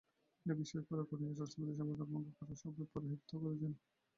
এটা বিশ্বাস করা কঠিন যে, রাষ্ট্রপতি সংবিধান ভঙ্গ করার সভায় পৌরোহিত্য করেছেন।